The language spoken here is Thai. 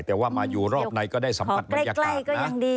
แต่ว่ามาอยู่รอบในก็ได้สัมผัสบรรยากาศนะ